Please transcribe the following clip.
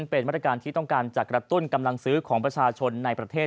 เป็นมาตรการที่ต้องการจะกระตุ้นกำลังซื้อของประชาชนในประเทศ